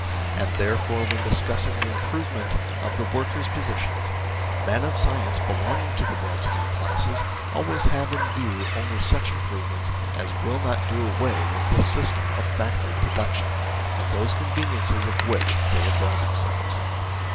And therefore, when discussing the improvement of the workers' position, men of science, belong ing to the well to do classes, always have in view only such improvements as will not do away with this system of factory production, and those conveniences of which they avail themselves.